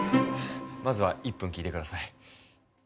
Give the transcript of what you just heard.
まずは１分聞いて下さい。